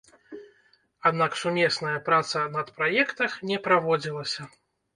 Аднак сумесная праца над праектах не праводзілася.